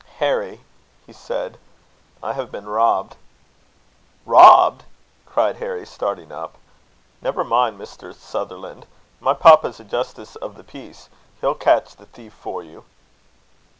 "Harry!" he said, "I have been robbed." "Robbed!" cried Harry, starting up. "Never mind, Mr. Sutherland; my papa's a justice of the peace. He'll catch the thief for you."